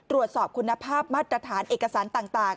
ตรวจสอบคุณภาพมาตรฐานเอกสารต่าง